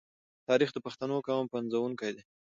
تاریخ د پښتون قام پنځونکی دی.